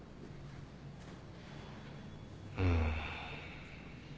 うん。